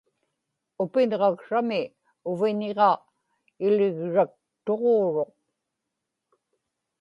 upinġaksrami uviñiga iligraktuġuuruq